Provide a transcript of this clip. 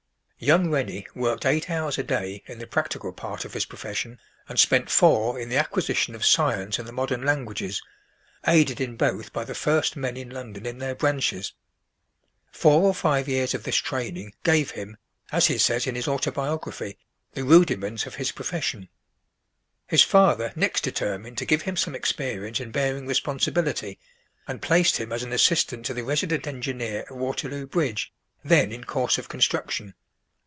Young Rennie worked eight hours a day in the practical part of his profession, and spent four in the acquisition of science and the modern languages, aided in both by the first men in London in their branches. Four or five years of this training gave him, as he says in his autobiography, the "rudiments" of his profession. His father next determined to give him some experience in bearing responsibility, and placed him as an assistant to the resident engineer of Waterloo Bridge, then in course of construction.